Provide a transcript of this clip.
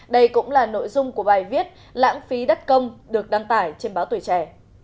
đây cũng là nội dung của bài viết lãng phí đất công được đăng tải trên báo tuổi trẻ